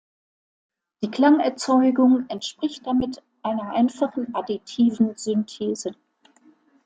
Die Klangerzeugung entspricht damit einer einfachen additiven Synthese.